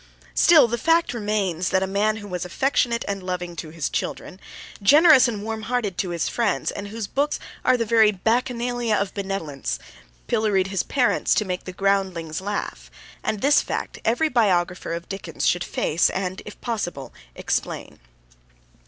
Still, the fact remains that a man who was affectionate and loving to his children, generous and warm hearted to his friends, and whose books are the very bacchanalia of benevolence, pilloried his parents to make the groundlings laugh, and this fact every biographer of Dickens should face and, if possible, explain.